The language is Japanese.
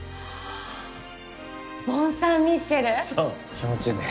気持ちいいね。